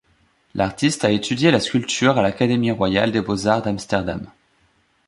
L'artiste a étudié la sculpture à l'académie royale des beaux-arts d'Amsterdam.